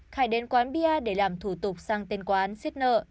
khải đến quán bia để làm thủ tục sang tên quán xiết nợ